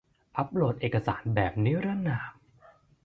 อัพโหลดเอกสารแบบนิรนาม